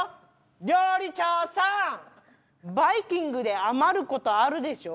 料理長さんバイキングで余ることあるでしょ